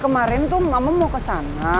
kemarin tuh mama mau kesana